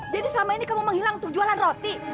jadi selama ini kamu menghilang untuk jualan roti